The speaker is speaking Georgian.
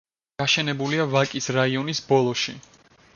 გაშენებულია ვაკის რაიონის ბოლოში.